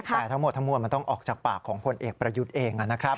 แต่ทั้งหมดทั้งมวลมันต้องออกจากปากของพลเอกประยุทธ์เองนะครับ